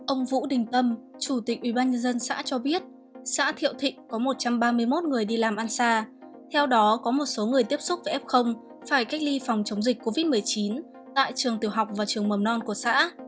ông vũ đình âm chủ tịch ubnd xã cho biết xã thiệu thịnh có một trăm ba mươi một người đi làm ăn xa theo đó có một số người tiếp xúc với f phải cách ly phòng chống dịch covid một mươi chín tại trường tiểu học và trường mầm non của xã